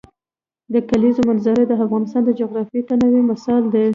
د کلیزو منظره د افغانستان د جغرافیوي تنوع مثال دی.